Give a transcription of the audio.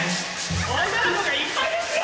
女の子がいっぱいですよ。